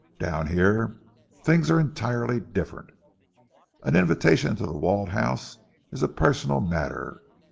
Down here things are entirely different. An invitation to The Walled House is a personal matter.